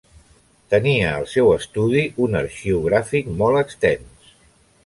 Tenia al seu estudi un arxiu gràfic molt extens.